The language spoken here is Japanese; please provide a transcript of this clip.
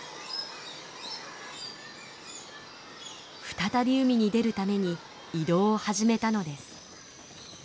再び海に出るために移動を始めたのです。